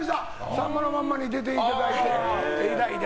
「さんまのまんま」に出ていただいた以来で。